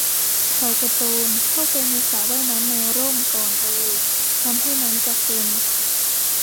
เขากระโจนเข้าไปในสระว่ายน้ำในร่มก่อนเลยทำให้น้ำกระเซ็น